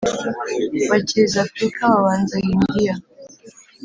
Bacyiza Afrika, babanza Hindiya;